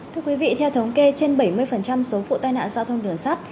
thưa quý vị theo thống kê trên bảy mươi số vụ tai nạn giao thông đường sắt